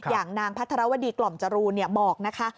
อย่างนางพัทรวดีกล่อมจรูนบอกนะคะ